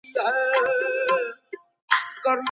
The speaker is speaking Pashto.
د ماسټرۍ برنامه سمدلاسه نه تطبیقیږي.